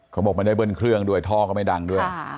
เขาบอกไม่ได้เบิ้ลเครื่องด้วยท่อก็ไม่ดังด้วย